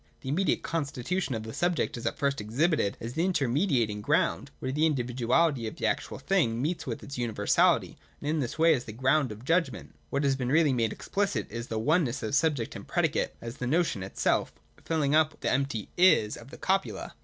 The immediate constitution of the subject is at first exhibited as the intermediating ground, where the individuality of the actual thing meets with its universality, and in this way as the ground of the judgment. What has been really made explicit is the oneness of subject and predicate, as the notion itself, filling up the empty ' is ' of the copula.